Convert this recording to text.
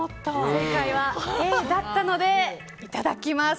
正解はＡだったのでいただきます。